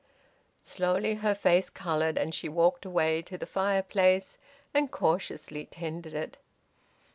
Slowly her face coloured, and she walked away to the fireplace, and cautiously tended it.